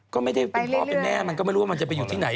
ก็ไม่ได้เป็นพ่อเป็นแม่มันก็ไม่รู้ว่ามันจะไปอยู่ที่ไหน